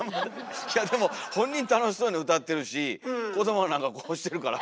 いやでも本人楽しそうに歌ってるし子どもは何かこうしてるから。